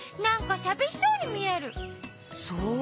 そう？